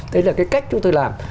đấy là cái cách chúng tôi làm